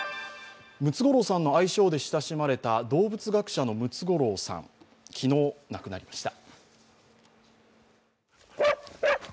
ムツゴロウさんの愛称で親しまれた動物学者のムツゴロウさん昨日亡くなりました。